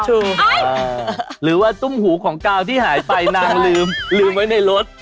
ชูหรือว่าตุ้มหูของกาวที่หายไปนางลืมลืมไว้ในรถ